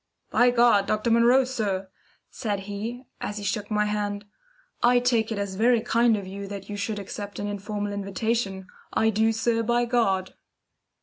"By God, Dr. Munro, sir," said he, as he shook my hand. "I take it as very kind of you that you should accept an informal invitation. I do, sir, by God!"